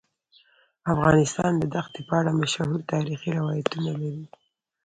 افغانستان د دښتې په اړه مشهور تاریخی روایتونه لري.